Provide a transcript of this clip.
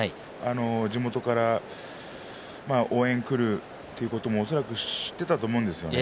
地元から応援が来るということも恐らく知っていたと思うんですよね。